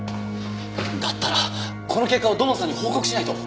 だったらこの結果を土門さんに報告しないと！